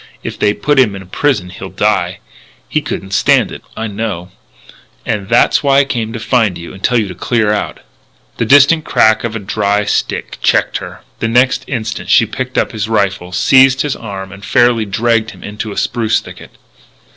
If they put him in prison he'll die. He couldn't stand it. I know. And that's why I came to find you and tell you to clear out " The distant crack of a dry stick checked her. The next instant she picked up his rifle, seized his arm, and fairly dragged him into a spruce thicket.